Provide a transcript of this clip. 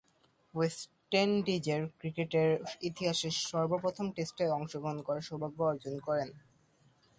West ইন্ডিজের ক্রিকেটের ইতিহাসের সর্বপ্রথম টেস্টে অংশগ্রহণ করার সৌভাগ্য অর্জন করেন।